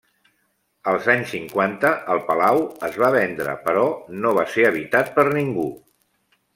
Als anys cinquanta el palau es va vendre però no va ser habitat per ningú.